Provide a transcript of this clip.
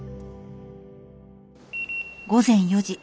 午前４時。